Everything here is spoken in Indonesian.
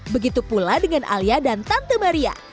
begitu pula dengan alia dan tante maria